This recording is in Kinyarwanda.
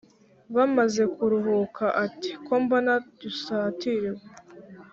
bamaze kuruhuka ati"kombona dusatiriwe